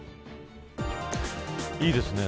いいですね。